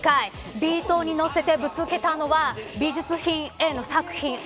ビートに乗せてぶつけたのは美術品への作品愛。